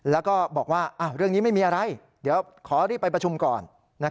แล้วก็บอกว่าเรื่องนี้ไม่มีอะไรเดี๋ยวขอรีบไปประชุมก่อน